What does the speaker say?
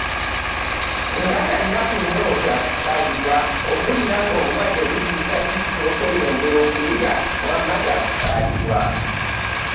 Nga kyannaku nnyo kyakusaalirwa okuwulira nga obulwadde buziyizza Kizito okweyongera okuyiga, wamma kyakusaalirwa.